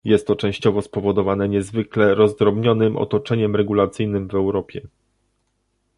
Jest to częściowo spowodowane niezwykle rozdrobnionym otoczeniem regulacyjnym w Europie